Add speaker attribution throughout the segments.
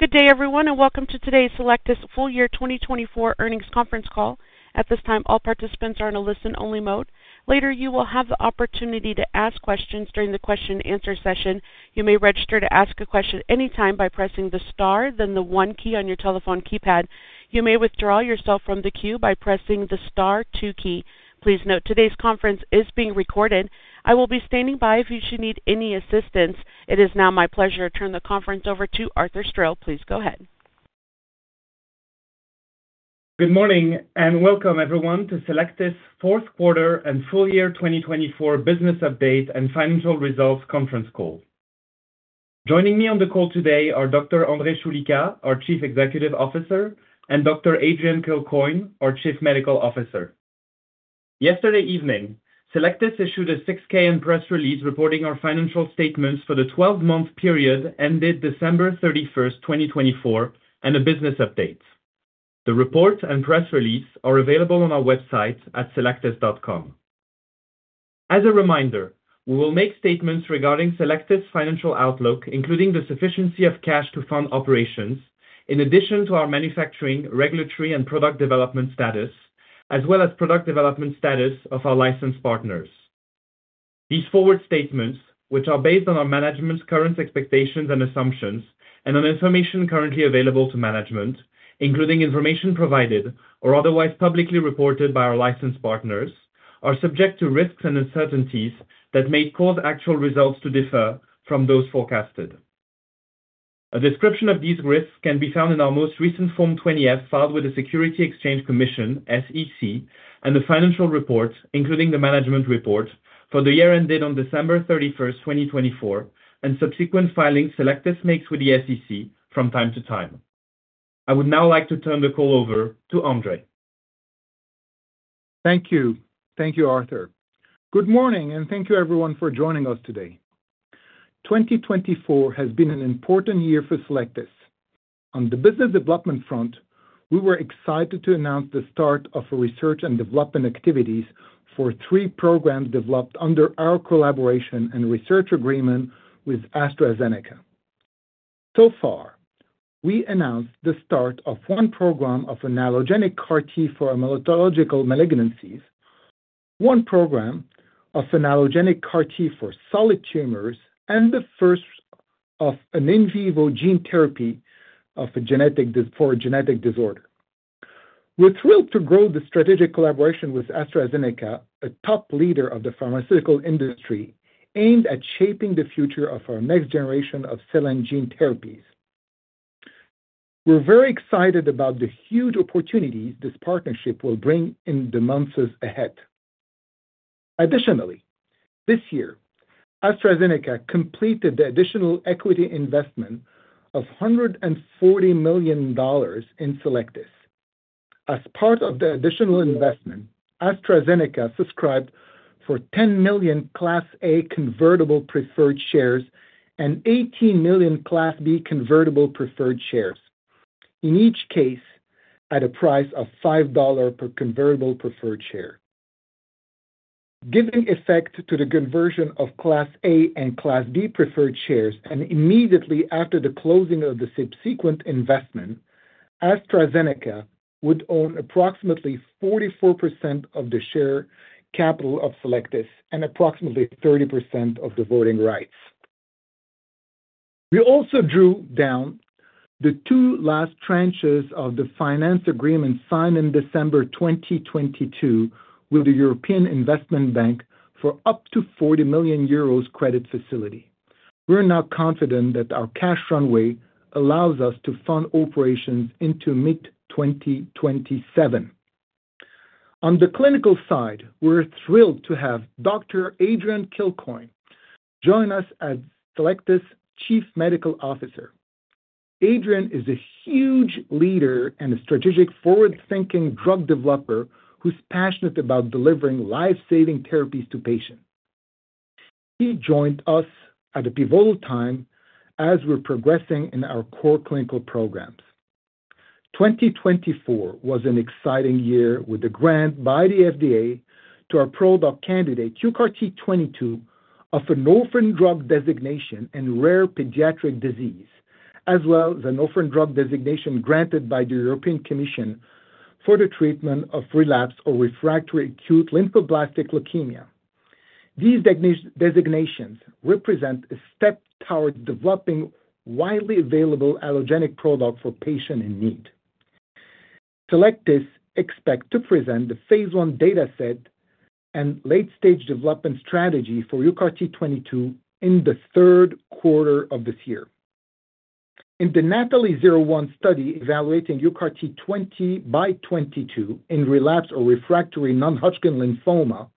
Speaker 1: Good day, everyone, and welcome to today's Cellectis FY 2024 earnings conference call. At this time, all participants are in a listen-only mode. Later, you will have the opportunity to ask questions during the question-and-answer session. You may register to ask a question anytime by pressing the star, then the 1 key on your telephone keypad. You may withdraw yourself from the queue by pressing the star 2 key. Please note, today's conference is being recorded. I will be standing by if you should need any assistance. It is now my pleasure to turn the conference over to Arthur Stril. Please go ahead.
Speaker 2: Good morning and welcome, everyone, to Cellectis' fourth quarter and full year 2024 business update and financial results conference call. Joining me on the call today are Dr. André Choulika, our Chief Executive Officer, and Dr. Adrian Kilcoyne, our Chief Medical Officer. Yesterday evening, Cellectis issued a 6-K and press release reporting our financial statements for the 12-month period ended December 31, 2024, and a business update. The report and press release are available on our website at cellectis.com. As a reminder, we will make statements regarding Cellectis' financial outlook, including the sufficiency of cash to fund operations, in addition to our manufacturing, regulatory, and product development status, as well as product development status of our licensed partners. These forward statements, which are based on our management's current expectations and assumptions and on information currently available to management, including information provided or otherwise publicly reported by our licensed partners, are subject to risks and uncertainties that may cause actual results to differ from those forecasted. A description of these risks can be found in our most recent Form 20-F filed with the Securities and Exchange Commission, SEC, and the financial report, including the management report, for the year ended on December 31, 2024, and subsequent filings Cellectis makes with the SEC from time to time. I would now like to turn the call over to André.
Speaker 3: Thank you. Thank you, Arthur. Good morning, and thank you, everyone, for joining us today. 2024 has been an important year for Cellectis. On the business development front, we were excited to announce the start of our research and development activities for three programs developed under our collaboration and research agreement with AstraZeneca. So far, we announced the start of one program of allogeneic CAR-T for hematological malignancies, one program of allogeneic CAR-T for solid tumors, and the first of an in vivo gene therapy for a genetic disorder. We are thrilled to grow the strategic collaboration with AstraZeneca, a top leader of the pharmaceutical industry, aimed at shaping the future of our next generation of cell and gene therapies. We are very excited about the huge opportunities this partnership will bring in the months ahead. Additionally, this year, AstraZeneca completed the additional equity investment of $140 million in Cellectis. As part of the additional investment, AstraZeneca subscribed for 10 million Class A convertible preferred shares and 18 million Class B convertible preferred shares, in each case at a price of $5 per convertible preferred share. Giving effect to the conversion of Class A and Class B preferred shares and immediately after the closing of the subsequent investment, AstraZeneca would own approximately 44% of the share capital of Cellectis and approximately 30% of the voting rights. We also drew down the two last tranches of the finance agreement signed in December 2022 with the European Investment Bank for up to 40 million euros credit facility. We're now confident that our cash runway allows us to fund operations into mid-2027. On the clinical side, we're thrilled to have Dr. Adrian Kilcoyne join us as Cellectis' Chief Medical Officer. Adrian is a huge leader and a strategic forward-thinking drug developer who's passionate about delivering life-saving therapies to patients. He joined us at a pivotal time as we're progressing in our core clinical programs. 2024 was an exciting year with a grant by the FDA to our product candidate, UCART22, of an orphan drug designation in rare pediatric disease, as well as an orphan drug designation granted by the European Commission for the treatment of relapsed or refractory acute lymphoblastic leukemia. These designations represent a step toward developing widely available allogeneic products for patients in need. Cellectis expects to present the phase I dataset and late-stage development strategy for UCART22 in the third quarter of this year. In the NATHALI-01 study evaluating UCART20x22 in relapsed or refractory non-Hodgkin lymphoma,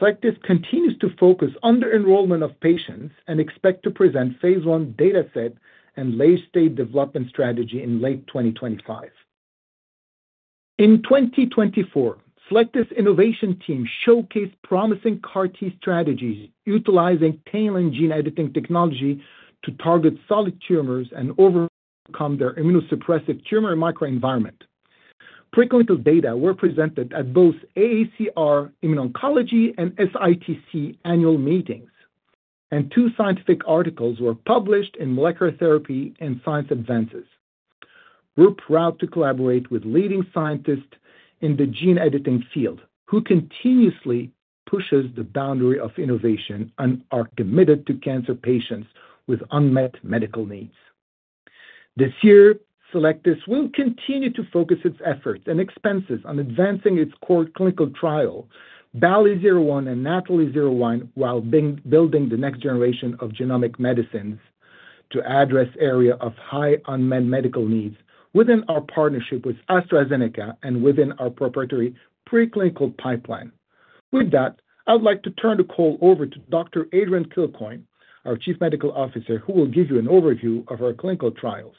Speaker 3: Cellectis continues to focus on the enrollment of patients and expects to present phase I dataset and late-stage development strategy in late 2025. In 2024, Cellectis' innovation team showcased promising CAR-T strategies utilizing TALEN gene editing technology to target solid tumors and overcome their immunosuppressive tumor microenvironment. Preclinical data were presented at both AACR Immuno-Oncology and SITC annual meetings, and two scientific articles were published in Molecular Therapy and Science Advances. We're proud to collaborate with leading scientists in the gene editing field, who continuously push the boundary of innovation and are committed to cancer patients with unmet medical needs. This year, Cellectis will continue to focus its efforts and expenses on advancing its core clinical trial, BALLI-01 and NATHALI-01, while building the next generation of genomic medicines to address areas of high unmet medical needs within our partnership with AstraZeneca and within our proprietary preclinical pipeline. With that, I would like to turn the call over to Dr. Adrian Kilcoyne, our Chief Medical Officer, who will give you an overview of our clinical trials.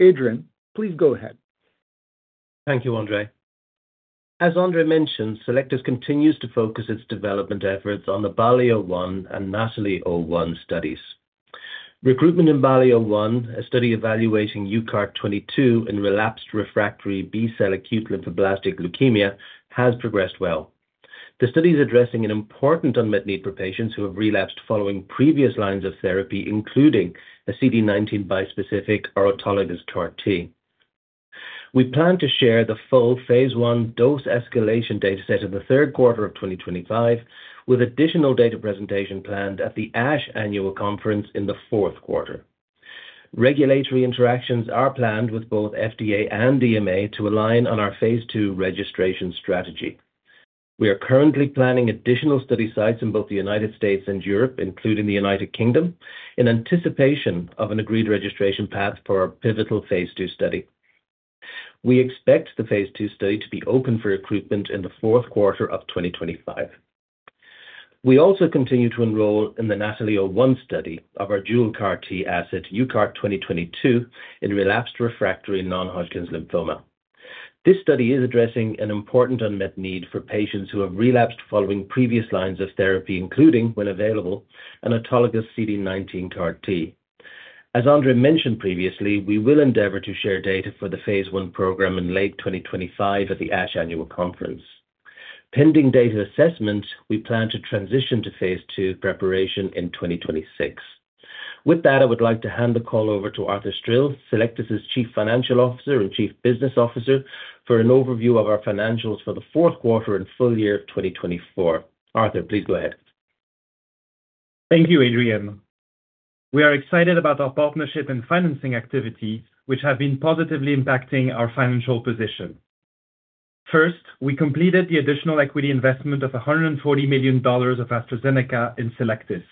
Speaker 3: Adrian, please go ahead.
Speaker 4: Thank you, André. As André mentioned, Cellectis continues to focus its development efforts on the BALLI-01 and NATHALI-01 studies. Recruitment in BALLI-01, a study evaluating UCART22 in relapsed refractory B-cell acute lymphoblastic leukemia, has progressed well. The study is addressing an important unmet need for patients who have relapsed following previous lines of therapy, including a CD19 bispecific autologous CAR-T. We plan to share the full phase I dose escalation dataset in the third quarter of 2025, with additional data presentation planned at the ASH annual conference in the fourth quarter. Regulatory interactions are planned with both FDA and EMA to align on our phase II registration strategy. We are currently planning additional study sites in both the United States and Europe, including the United Kingdom, in anticipation of an agreed registration path for our pivotal phase II study. We expect the phase II study to be open for recruitment in the fourth quarter of 2025. We also continue to enroll in the NATHALI-01 study of our dual CAR-T asset, UCART20x22, in relapsed refractory non-Hodgkin lymphoma. This study is addressing an important unmet need for patients who have relapsed following previous lines of therapy, including, when available, an autologous CD19 CAR-T. As André mentioned previously, we will endeavor to share data for the phase I program in late 2025 at the ASH Annual Conference. Pending data assessment, we plan to transition to phase II preparation in 2026. With that, I would like to hand the call over to Arthur Stril, Cellectis' Chief Financial Officer and Chief Business Officer, for an overview of our financials for the fourth quarter and full year of 2024. Arthur, please go ahead.
Speaker 2: Thank you, Adrian. We are excited about our partnership and financing activities, which have been positively impacting our financial position. First, we completed the additional equity investment of $140 million of AstraZeneca in Cellectis.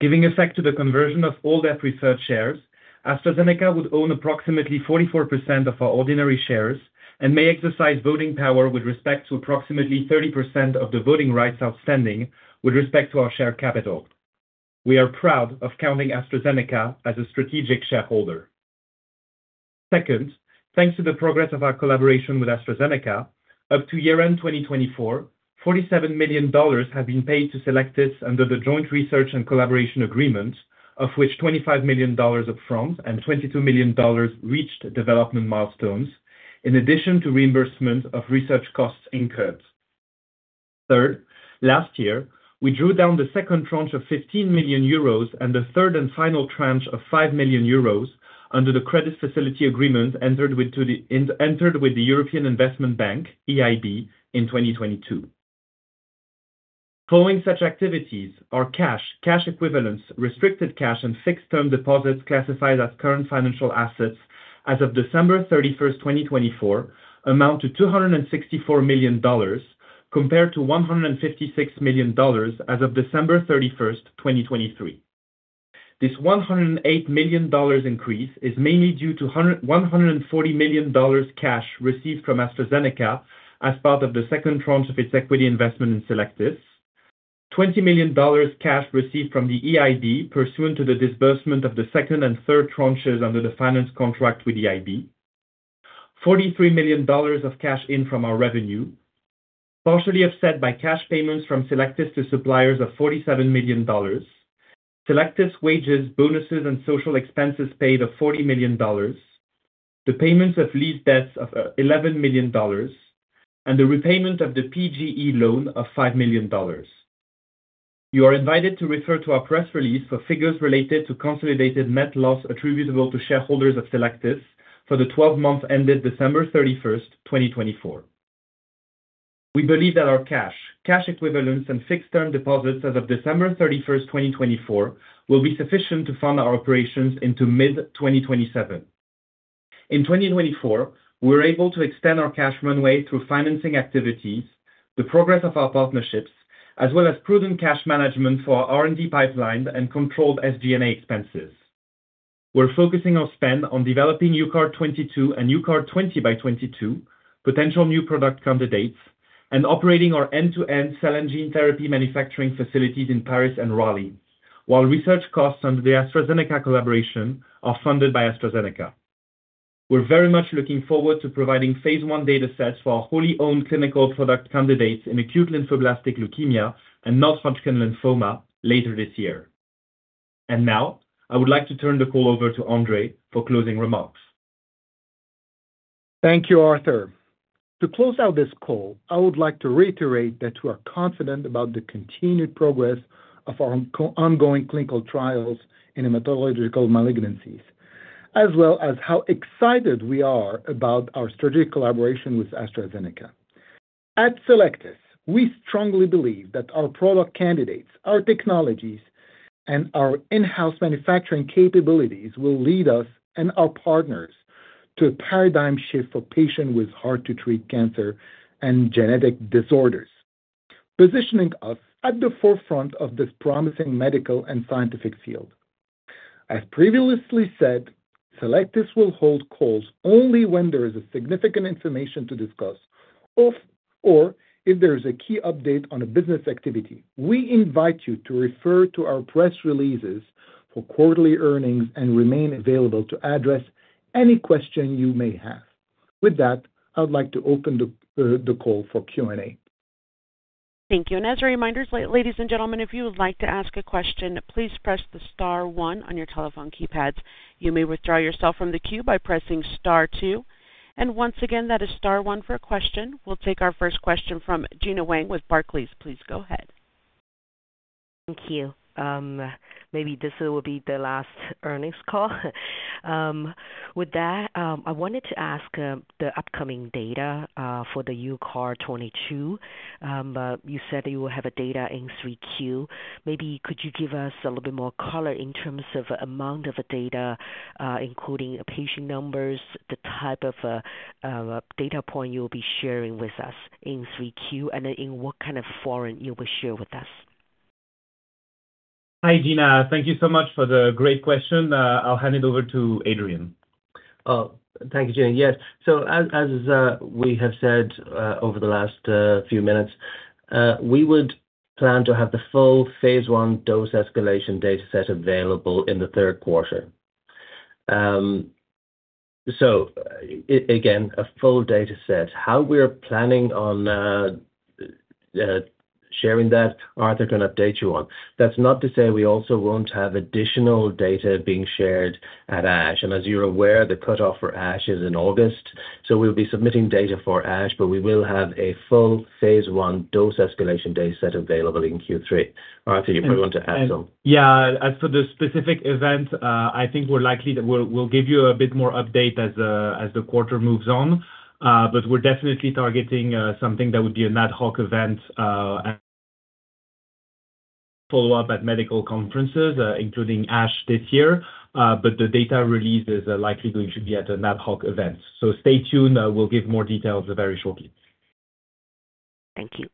Speaker 2: Giving effect to the conversion of all such shares, AstraZeneca would own approximately 44% of our ordinary shares and may exercise voting power with respect to approximately 30% of the voting rights outstanding with respect to our share capital. We are proud of counting AstraZeneca as a strategic shareholder. Second, thanks to the progress of our collaboration with AstraZeneca, up to year-end 2024, $47 million have been paid to Cellectis under the joint research and collaboration agreement, of which $25 million upfront and $22 million reached development milestones, in addition to reimbursement of research costs incurred. Third, last year, we drew down the second tranche of 15 million euros and the third and final tranche of 5 million euros under the credit facility agreement entered with the European Investment Bank, EIB, in 2022. Following such activities, our cash, cash equivalents, restricted cash, and fixed-term deposits classified as current financial assets as of December 31, 2024, amount to $264 million, compared to $156 million as of December 31, 2023. This $108 million increase is mainly due to $140 million cash received from AstraZeneca as part of the second tranche of its equity investment in Cellectis, $20 million cash received from the European Investment Bank pursuant to the disbursement of the second and third tranches under the finance contract with the European Investment Bank, $43 million of cash in from our revenue, partially offset by cash payments from Cellectis to suppliers of $47 million, Cellectis wages, bonuses, and social expenses paid of $40 million, the payment of lease debts of $11 million, and the repayment of the PGE loan of $5 million. You are invited to refer to our press release for figures related to consolidated net loss attributable to shareholders of Cellectis for the 12 months ended December 31, 2024. We believe that our cash, cash equivalents, and fixed-term deposits as of December 31, 2024, will be sufficient to fund our operations into mid-2027. In 2024, we were able to extend our cash runway through financing activities, the progress of our partnerships, as well as prudent cash management for our R&D pipeline and controlled SG&A expenses. We're focusing our spend on developing UCART22 and UCART20x22, potential new product candidates, and operating our end-to-end cell and gene therapy manufacturing facilities in Paris and Raleigh, while research costs under the AstraZeneca collaboration are funded by AstraZeneca. We're very much looking forward to providing phase I datasets for our wholly owned clinical product candidates in acute lymphoblastic leukemia and non-Hodgkin lymphoma later this year. I would like to turn the call over to André for closing remarks.
Speaker 3: Thank you, Arthur. To close out this call, I would like to reiterate that we are confident about the continued progress of our ongoing clinical trials in hematological malignancies, as well as how excited we are about our strategic collaboration with AstraZeneca. At Cellectis, we strongly believe that our product candidates, our technologies, and our in-house manufacturing capabilities will lead us and our partners to a paradigm shift for patients with hard-to-treat cancer and genetic disorders, positioning us at the forefront of this promising medical and scientific field. As previously said, Cellectis will hold calls only when there is significant information to discuss or if there is a key update on a business activity. We invite you to refer to our press releases for quarterly earnings and remain available to address any questions you may have. With that, I would like to open the call for Q&A.
Speaker 1: Thank you. As a reminder, ladies and gentlemen, if you would like to ask a question, please press the star one on your telephone keypads. You may withdraw yourself from the queue by pressing star two. Once again, that is star one for a question. We'll take our first question from Gena Wang with Barclays. Please go ahead.
Speaker 5: Thank you. Maybe this will be the last earnings call. With that, I wanted to ask the upcoming data for the UCART22. You said you will have data in 3Q. Maybe could you give us a little bit more color in terms of the amount of data, including patient numbers, the type of data point you'll be sharing with us in 3Q, and in what kind of form you will share with us?
Speaker 2: Hi, Gena. Thank you so much for the great question. I'll hand it over to Adrian.
Speaker 4: Oh, thank you, Gena. Yes. As we have said over the last few minutes, we would plan to have the full phase I dose escalation dataset available in the third quarter. Again, a full dataset. How we are planning on sharing that, Arthur can update you on. That is not to say we also will not have additional data being shared at ASH. As you are aware, the cutoff for ASH is in August. We will be submitting data for ASH, but we will have a full phase I dose escalation dataset available in Q3. Arthur, you probably want to add some.
Speaker 2: Yeah. As for the specific event, I think we're likely that we'll give you a bit more update as the quarter moves on. We're definitely targeting something that would be an ad hoc event and follow-up at medical conferences, including ASH this year. The data release is likely going to be at an ad hoc event. Stay tuned. We'll give more details very shortly.
Speaker 5: Thank you.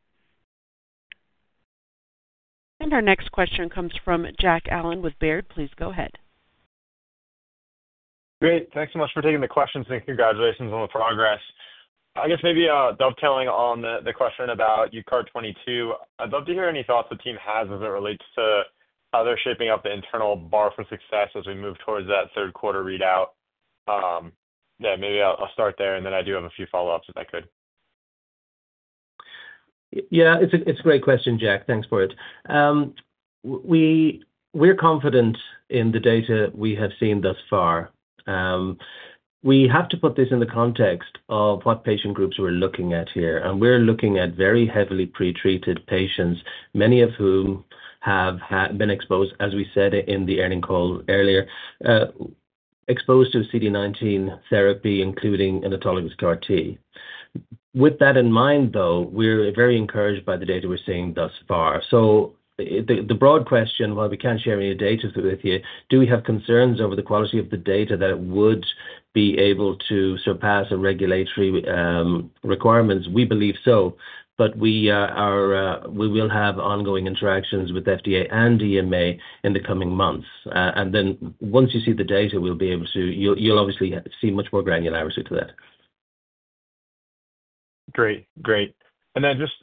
Speaker 1: Our next question comes from Jack Allen with Baird. Please go ahead.
Speaker 6: Great. Thanks so much for taking the questions and congratulations on the progress. I guess maybe dovetailing on the question about UCART22, I'd love to hear any thoughts the team has as it relates to how they're shaping up the internal bar for success as we move towards that third quarter readout. Yeah, maybe I'll start there. And then I do have a few follow-ups if I could.
Speaker 4: Yeah, it's a great question, Jack. Thanks for it. We're confident in the data we have seen thus far. We have to put this in the context of what patient groups we're looking at here. We're looking at very heavily pretreated patients, many of whom have been exposed, as we said in the earnings call earlier, exposed to CD19 therapy, including an autologous CAR-T. With that in mind, we're very encouraged by the data we're seeing thus far. The broad question, while we can't share any data with you, do we have concerns over the quality of the data that it would be able to surpass regulatory requirements? We believe so. We will have ongoing interactions with FDA and EMA in the coming months. Once you see the data, you'll obviously see much more granularity to that.
Speaker 6: Great. Great.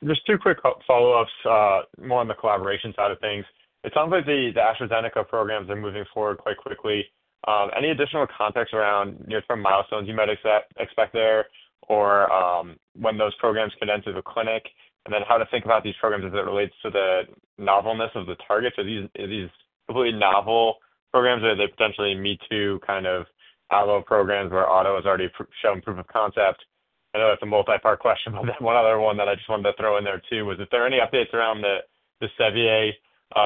Speaker 6: Just two quick follow-ups, more on the collaboration side of things. It sounds like the AstraZeneca programs are moving forward quite quickly. Any additional context around near-term milestones you might expect there, or when those programs get into the clinic, and how to think about these programs as it relates to the novelness of the targets? Are these completely novel programs, or are they potentially me-too kind of auto programs where auto has already shown proof of concept? I know that's a multi-part question, but one other one that I just wanted to throw in there too was, is there any updates around the Servier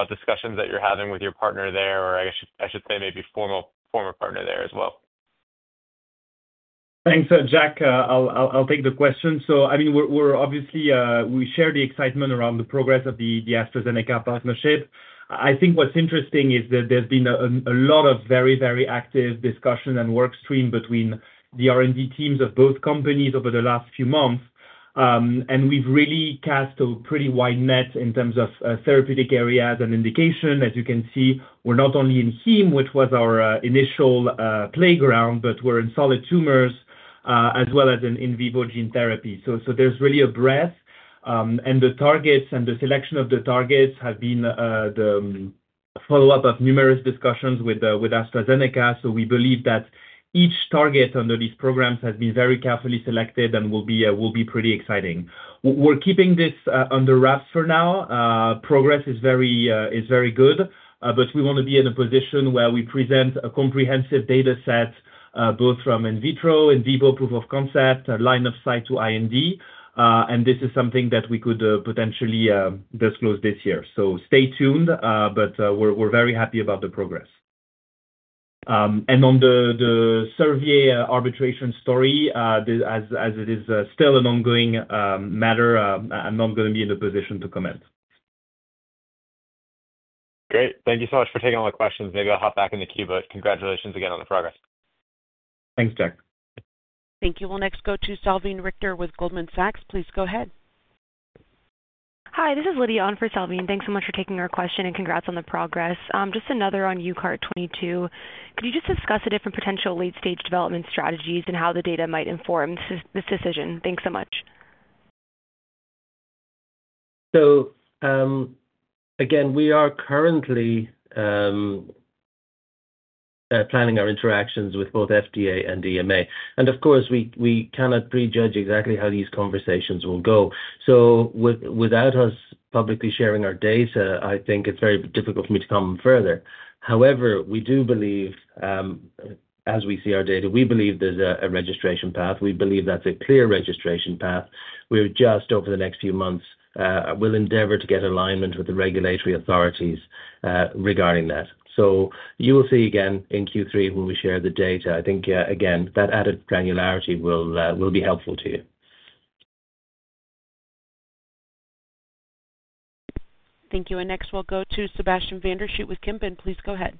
Speaker 6: discussions that you're having with your partner there, or I guess I should say maybe former partner there as well?
Speaker 2: Thanks, Jack. I'll take the question. I mean, obviously, we share the excitement around the progress of the AstraZeneca partnership. I think what's interesting is that there's been a lot of very, very active discussion and workstream between the R&D teams of both companies over the last few months. We've really cast a pretty wide net in terms of therapeutic areas and indication. As you can see, we're not only in heme, which was our initial playground, but we're in solid tumors as well as in in vivo gene therapy. There's really a breadth. The targets and the selection of the targets have been the follow-up of numerous discussions with AstraZeneca. We believe that each target under these programs has been very carefully selected and will be pretty exciting. We're keeping this under wraps for now. Progress is very good. We want to be in a position where we present a comprehensive dataset both from in vitro, in vivo proof of concept, line of sight to IND. This is something that we could potentially disclose this year. Stay tuned. We are very happy about the progress. On the Servier arbitration story, as it is still an ongoing matter, I am not going to be in a position to comment.
Speaker 6: Great. Thank you so much for taking all the questions. Maybe I'll hop back in the queue, but congratulations again on the progress.
Speaker 4: Thanks, Jack.
Speaker 1: Thank you. We'll next go to Salveen Richter with Goldman Sachs. Please go ahead. Hi, this is Lydia on for Salveen. Thanks so much for taking our question and congrats on the progress. Just another on UCART22. Could you just discuss the different potential late-stage development strategies and how the data might inform this decision? Thanks so much.
Speaker 4: We are currently planning our interactions with both FDA and EMA. Of course, we cannot prejudge exactly how these conversations will go. Without us publicly sharing our data, I think it's very difficult for me to come further. However, we do believe, as we see our data, we believe there's a registration path. We believe that's a clear registration path. Over the next few months, we'll endeavor to get alignment with the regulatory authorities regarding that. You will see again in Q3 when we share the data. I think, again, that added granularity will be helpful to you.
Speaker 1: Thank you. Next, we'll go to Sebastiaan van der Schoot with JMP. Please go ahead.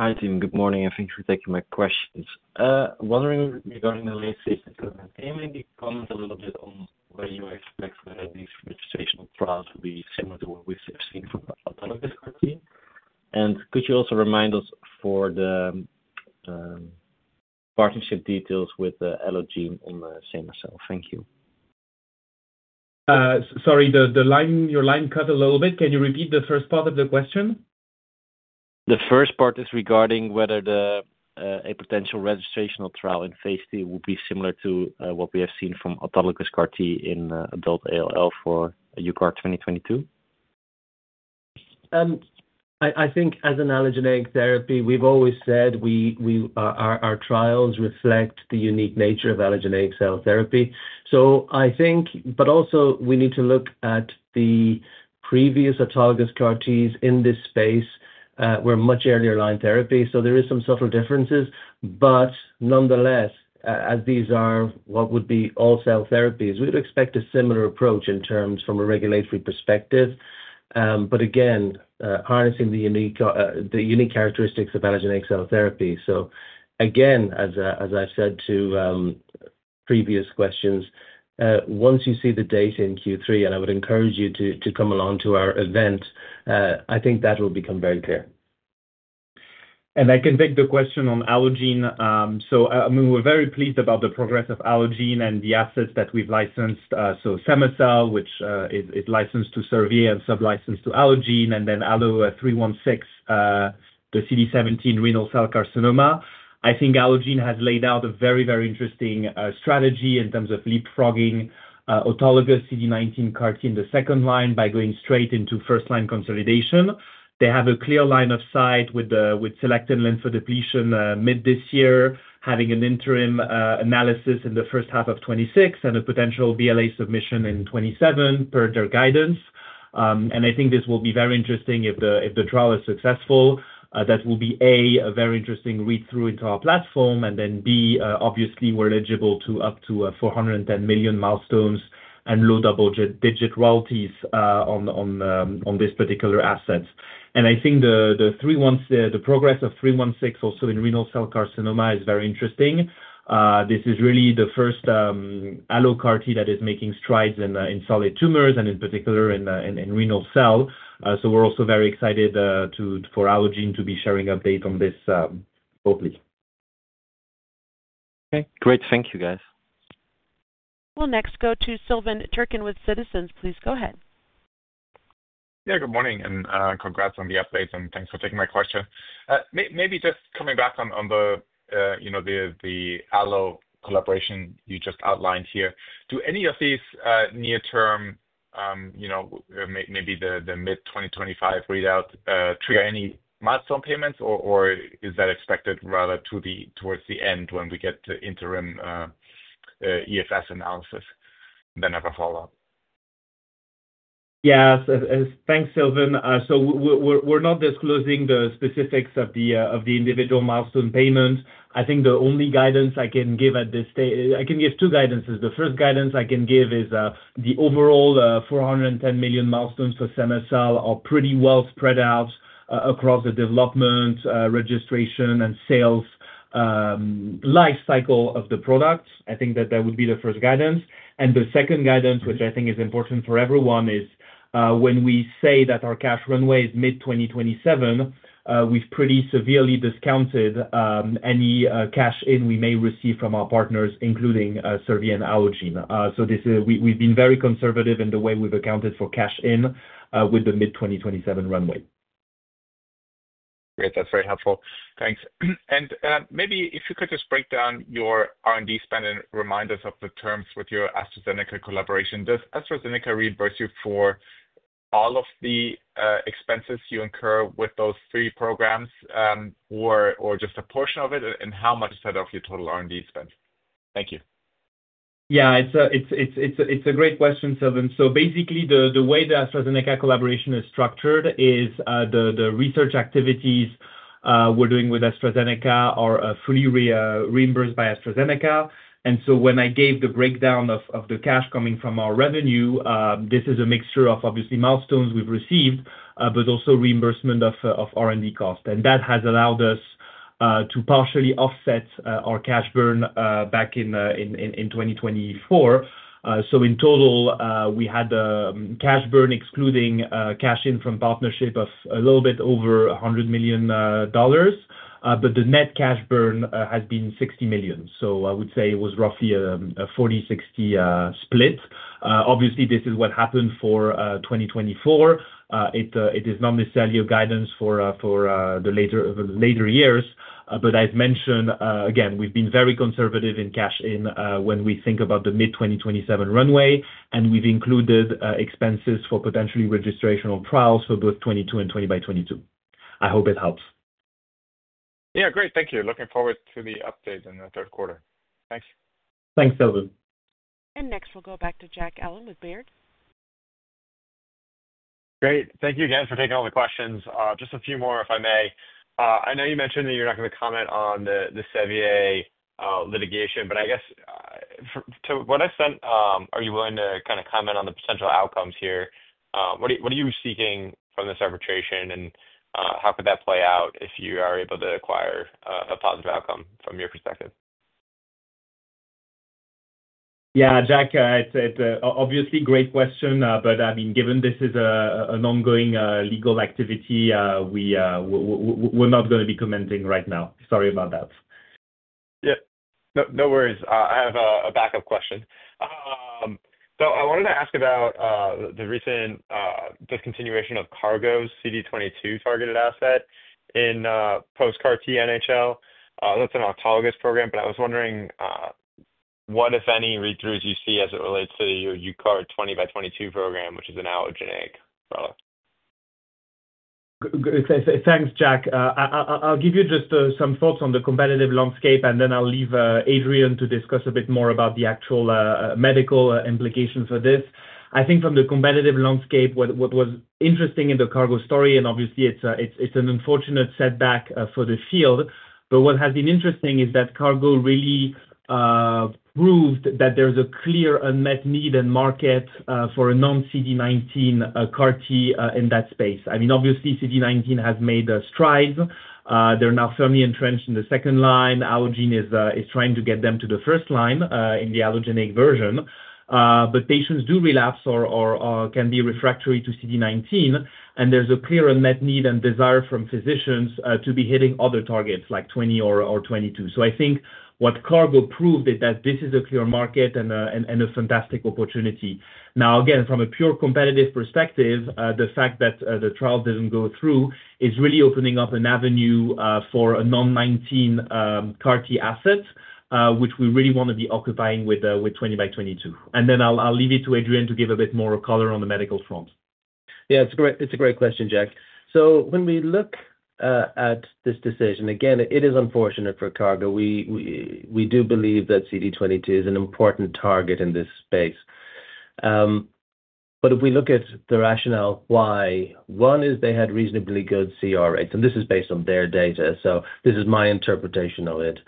Speaker 1: Hi, team. Good morning. Thanks for taking my questions. Wondering regarding the late-stage development. Can you maybe comment a little bit on whether you expect that these registration trials will be similar to what we've seen for autologous CAR-T? Could you also remind us for the partnership details with the Allogene on the same cell? Thank you.
Speaker 4: Sorry, your line cut a little bit. Can you repeat the first part of the question? The first part is regarding whether a potential registration trial in phase II would be similar to what we have seen from autologous CAR-T in adult ALL for UCART22? I think as an allogeneic therapy, we've always said our trials reflect the unique nature of allogeneic cell therapy. I think we also need to look at the previous autologous CAR-Ts in this space. We're much earlier line therapy, so there are some subtle differences. Nonetheless, as these are what would be all-cell therapies, we would expect a similar approach in terms from a regulatory perspective. Again, harnessing the unique characteristics of allogeneic cell therapy. As I've said to previous questions, once you see the data in Q3, and I would encourage you to come along to our event, I think that will become very clear. I can take the question on Allogene. I mean, we're very pleased about the progress of Allogene and the assets that we've licensed. Cema-cel, which is licensed to Servier and sublicensed to Allogene, and then ALLO-316, the CD70 renal cell carcinoma. I think Allogene has laid out a very, very interesting strategy in terms of leapfrogging autologous CD19 CAR-T in the second line by going straight into first-line consolidation. They have a clear line of sight with selecting lymphodepletion mid this year, having an interim analysis in the first half of 2026, and a potential BLA submission in 2027 per their guidance. I think this will be very interesting if the trial is successful. That will be, A, a very interesting read-through into our platform, and then, B, obviously, we're eligible to up to $410 million milestones and low double-digit royalties on this particular asset. I think the progress of 316 also in renal cell carcinoma is very interesting. This is really the first allogeneic CAR-T that is making strides in solid tumors, and in particular in renal cell. We are also very excited for Allogene to be sharing updates on this hopefully. Okay. Great. Thank you, guys.
Speaker 1: We'll next go to Silvan Tuerkcan with Citizens. Please go ahead. Yeah, good morning. Congrats on the update. Thanks for taking my question. Maybe just coming back on the Allogene collaboration you just outlined here. Do any of these near-term, maybe the mid-2025 readout, trigger any milestone payments, or is that expected rather towards the end when we get the interim EFS analysis then have a follow-up?
Speaker 4: Yes. Thanks, Sylvain. We're not disclosing the specifics of the individual milestone payment. I think the only guidance I can give at this stage, I can give two guidances. The first guidance I can give is the overall $410 million milestones for cema-cel are pretty well spread out across the development, registration, and sales lifecycle of the products. I think that would be the first guidance. The second guidance, which I think is important for everyone, is when we say that our cash runway is mid-2027, we've pretty severely discounted any cash in we may receive from our partners, including Servier and Allogene. We've been very conservative in the way we've accounted for cash in with the mid-2027 runway. Great. That's very helpful. Thanks. Maybe if you could just break down your R&D spend and remind us of the terms with your AstraZeneca collaboration. Does AstraZeneca reimburse you for all of the expenses you incur with those three programs, or just a portion of it, and how much is that of your total R&D spend? Thank you. Yeah, it's a great question, Sylvain. Basically, the way the AstraZeneca collaboration is structured is the research activities we're doing with AstraZeneca are fully reimbursed by AstraZeneca. When I gave the breakdown of the cash coming from our revenue, this is a mixture of obviously milestones we've received, but also reimbursement of R&D costs. That has allowed us to partially offset our cash burn back in 2024. In total, we had cash burn excluding cash in from partnership of a little bit over $100 million. The net cash burn has been $60 million. I would say it was roughly a 40/60 split. Obviously, this is what happened for 2024. It is not necessarily a guidance for the later years. As mentioned, again, we've been very conservative in cash in when we think about the mid-2027 runway. We have included expenses for potentially registrational trials for both '22 and '20x22. I hope it helps. Yeah, great. Thank you. Looking forward to the update in the third quarter. Thanks. Thanks, Sylvain.
Speaker 1: Next, we'll go back to Jack Allen with Baird.
Speaker 6: Great. Thank you again for taking all the questions. Just a few more, if I may. I know you mentioned that you're not going to comment on the Servier litigation. I guess to what I've sent, are you willing to kind of comment on the potential outcomes here? What are you seeking from this arbitration, and how could that play out if you are able to acquire a positive outcome from your perspective?
Speaker 4: Yeah, Jack, it's obviously a great question. I mean, given this is an ongoing legal activity, we're not going to be commenting right now. Sorry about that.
Speaker 6: Yeah. No worries. I have a backup question. I wanted to ask about the recent discontinuation of Cargo's CD22 targeted asset in post-CAR-T NHL. That is an autologous program. I was wondering what, if any, read-throughs you see as it relates to your UCART20x22 program, which is an allogeneic product.
Speaker 2: Thanks, Jack. I'll give you just some thoughts on the competitive landscape, and then I'll leave Adrian to discuss a bit more about the actual medical implications for this. I think from the competitive landscape, what was interesting in the Cargo story, and obviously, it's an unfortunate setback for the field. What has been interesting is that Cargo really proved that there's a clear unmet need and market for a non-CD19 CAR-T in that space. I mean, obviously, CD19 has made strides. They're now firmly entrenched in the second line. Allogene is trying to get them to the first line in the allogeneic version. Patients do relapse or can be refractory to CD19. There's a clear unmet need and desire from physicians to be hitting other targets like 20 or 22. I think what Cargo proved is that this is a clear market and a fantastic opportunity. Now, again, from a pure competitive perspective, the fact that the trial does not go through is really opening up an avenue for a non-19 CAR-T asset, which we really want to be occupying with 20x22. I will leave it to Adrian to give a bit more color on the medical front.
Speaker 4: Yeah, it's a great question, Jack. When we look at this decision, again, it is unfortunate for Cargo. We do believe that CD22 is an important target in this space. If we look at the rationale why, one is they had reasonably good CR rates. This is based on their data. This is my interpretation of it.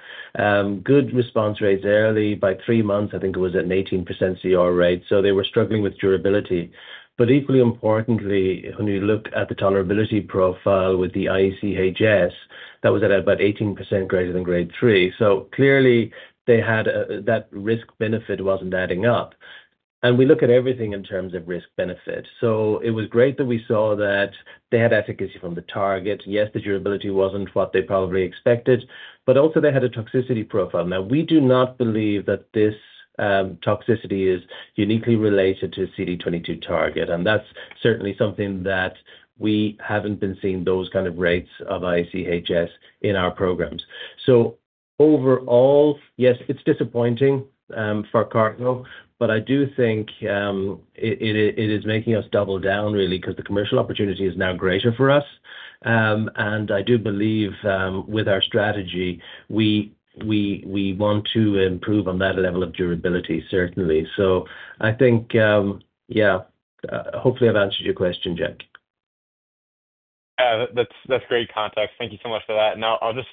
Speaker 4: Good response rates early by three months, I think it was an 18% CR rate. They were struggling with durability. Equally importantly, when you look at the tolerability profile with the ICANS, that was at about 18% greater than grade 3. Clearly, that risk-benefit was not adding up. We look at everything in terms of risk-benefit. It was great that we saw that they had efficacy from the target. Yes, the durability was not what they probably expected. Also, they had a toxicity profile. Now, we do not believe that this toxicity is uniquely related to the CD22 target. That is certainly something that we have not been seeing, those kind of rates of ICANS, in our programs. Overall, yes, it is disappointing for Cargo. I do think it is making us double down, really, because the commercial opportunity is now greater for us. I do believe with our strategy, we want to improve on that level of durability, certainly. I think, yeah, hopefully, I have answered your question, Jack.
Speaker 6: Yeah, that's great context. Thank you so much for that. Now, I'll just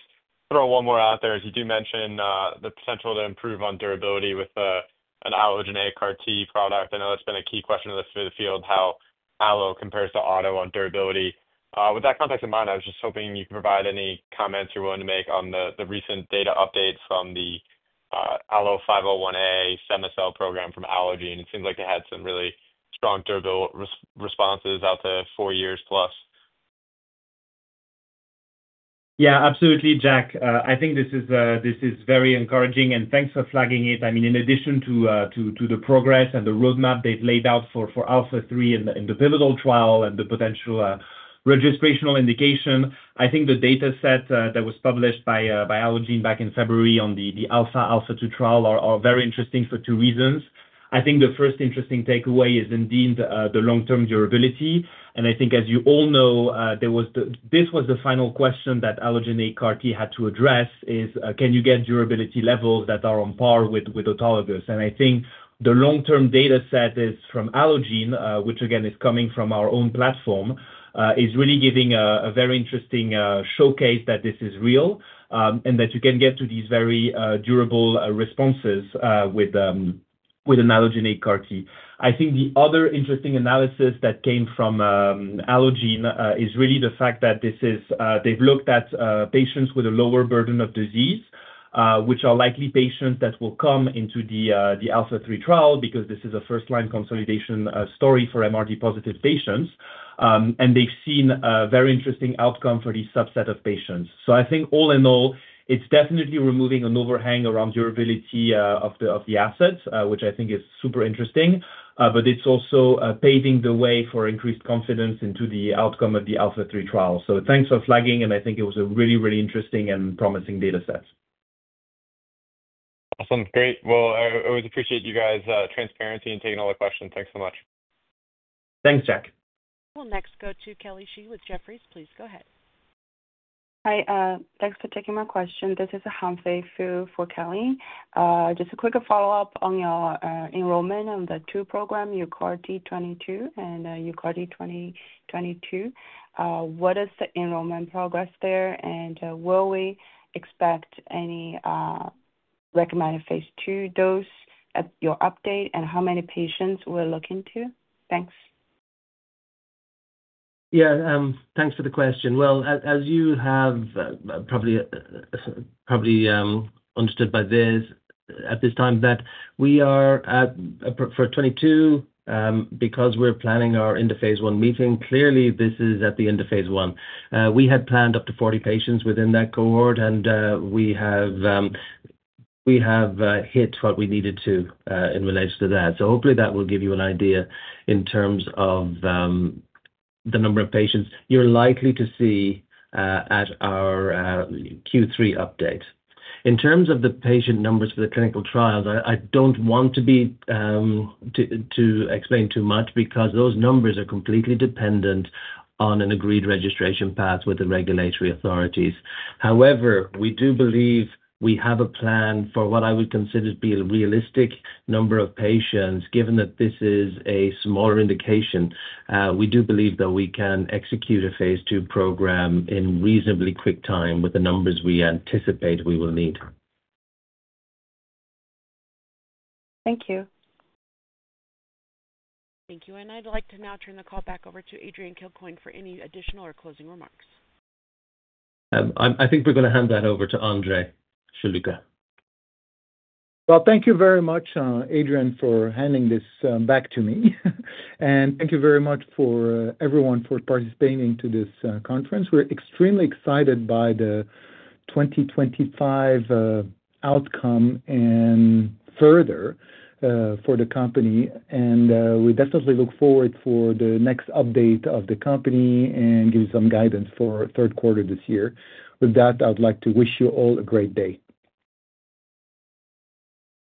Speaker 6: throw one more out there. As you do mention the potential to improve on durability with an allogeneic CAR-T product, I know that's been a key question for the field, how allo compares to auto on durability. With that context in mind, I was just hoping you could provide any comments you're willing to make on the recent data updates from the ALLO-501A cema-cel program from Allogene. It seems like they had some really strong durability responses out to four years plus.
Speaker 2: Yeah, absolutely, Jack. I think this is very encouraging. Thanks for flagging it. I mean, in addition to the progress and the roadmap they've laid out for ALPHA3 and the pivotal trial and the potential registrational indication, I think the dataset that was published by Allogene back in February on the ALPHA2 trial are very interesting for two reasons. I think the first interesting takeaway is indeed the long-term durability. I think, as you all know, this was the final question that allogeneic CAR-T had to address is, can you get durability levels that are on par with autologous? I think the long-term dataset from Allogene, which again is coming from our own platform, is really giving a very interesting showcase that this is real and that you can get to these very durable responses with an allogeneic CAR-T. I think the other interesting analysis that came from Allogene is really the fact that they've looked at patients with a lower burden of disease, which are likely patients that will come into the ALPHA3 trial because this is a first-line consolidation story for MRD-positive patients. They've seen a very interesting outcome for these subset of patients. I think all in all, it's definitely removing an overhang around durability of the assets, which I think is super interesting. It's also paving the way for increased confidence into the outcome of the ALPHA3 trial. Thanks for flagging. I think it was a really, really interesting and promising dataset.
Speaker 6: Awesome. Great. I always appreciate you guys' transparency and taking all the questions. Thanks so much.
Speaker 4: Thanks, Jack.
Speaker 1: We'll next go to Kelly Shi with Jefferies. Please go ahead. Hi. Thanks for taking my question. This is Hanfei Fu for Kelly. Just a quick follow-up on your enrollment on the two programs, UCART22 and UCART20x22. What is the enrollment progress there? Will we expect any recommended phase two dose at your update? How many patients will we look into? Thanks.
Speaker 2: Yeah, thanks for the question. As you have probably understood by this time, we are for '22, because we're planning our end-of-phase one meeting, clearly, this is at the end of phase one. We had planned up to 40 patients within that cohort. We have hit what we needed to in relation to that. Hopefully, that will give you an idea in terms of the number of patients you're likely to see at our Q3 update. In terms of the patient numbers for the clinical trials, I don't want to explain too much because those numbers are completely dependent on an agreed registration path with the regulatory authorities. However, we do believe we have a plan for what I would consider to be a realistic number of patients. Given that this is a smaller indication, we do believe that we can execute a phase II program in reasonably quick time with the numbers we anticipate we will need. Thank you.
Speaker 1: Thank you. I'd like to now turn the call back over to Adrian Kilcoyne for any additional or closing remarks.
Speaker 4: I think we're going to hand that over to André Choulika.
Speaker 3: Thank you very much, Adrian, for handing this back to me. Thank you very much for everyone for participating in this conference. We're extremely excited by the 2025 outcome and further for the company. We definitely look forward to the next update of the company and give you some guidance for the third quarter this year. With that, I'd like to wish you all a great day.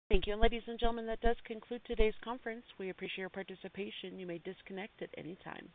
Speaker 1: Thank you. Ladies and gentlemen, that does conclude today's conference. We appreciate your participation. You may disconnect at any time.